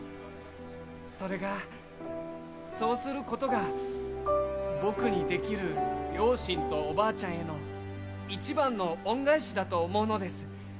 それが、そうすることが僕にできる両親とおばあちゃんへの一番の恩返しだと思うのです。